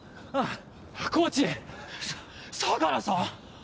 相良さん